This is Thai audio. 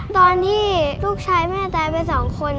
ตอนที่ลูกชายแม่ตายไปสองคน